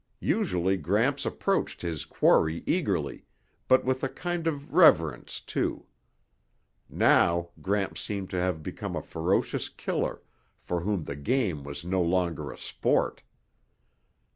Usually Gramps approached his quarry eagerly, but with a kind of reverence, too. Now Gramps seemed to have become a ferocious killer for whom the game was no longer a sport.